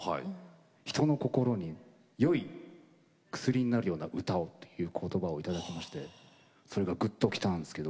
人の心によい薬になるような歌をと言葉をいただきましてそれがぐっときたんすけど。